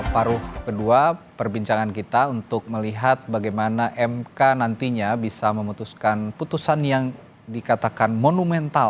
paruh kedua perbincangan kita untuk melihat bagaimana mk nantinya bisa memutuskan putusan yang dikatakan monumental